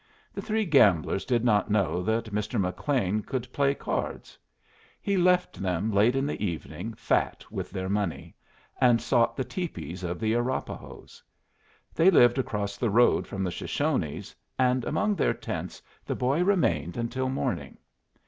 The three gamblers did not know that Mr. McLean could play cards. He left them late in the evening fat with their money, and sought the tepees of the Arapahoes. They lived across the road from the Shoshones, and among their tents the boy remained until morning.